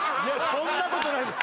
そんなことないです